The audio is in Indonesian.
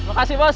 terima kasih bos